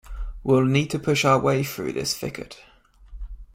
We'll need to push our way through this thicket.